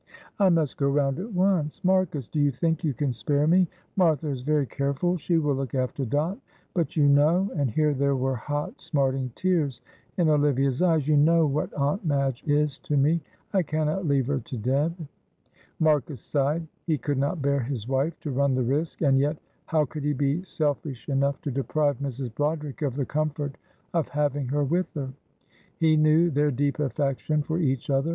"I must go round at once. Marcus, do you think you can spare me? Martha is very careful; she will look after Dot. But you know" and here there were hot, smarting tears in Olivia's eyes "you know what Aunt Madge is to me. I cannot leave her to Deb." Marcus sighed; he could not bear his wife to run the risk, and yet how could he be selfish enough to deprive Mrs. Broderick of the comfort of having her with her? He knew their deep affection for each other.